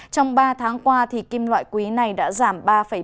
trong ba tháng qua kim loại quý này đã giảm ba bảy